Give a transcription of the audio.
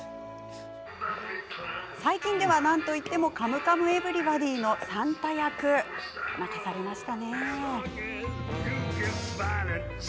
最近では、なんといっても「カムカムエヴリバディ」の算太役、泣かされましたよね。